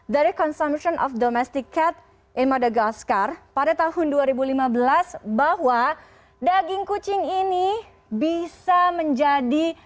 dari consumption of domestic cat imada gaskar pada tahun dua ribu lima belas bahwa daging kucing ini bisa menjadi